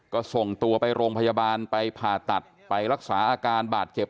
ก็ส่งตัวไปโรงพยาบาลไปผ่าตัดไปรักษาอาการบาดเจ็บ